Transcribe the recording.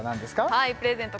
はいプレゼント